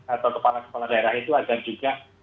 atau kepala kepala daerah itu agar juga